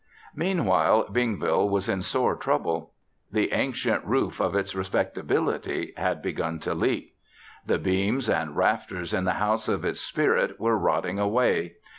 Meanwhile, Bingville was in sore trouble. The ancient roof of its respectability had begun to leak. The beams and rafters in the house of its spirit were rotting away.